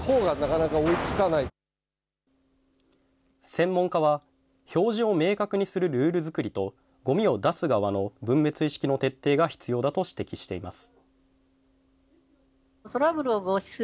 専門家は、表示を明確にするルール作りと、ごみを出す側の分別意識の徹底が必要だと指摘しています。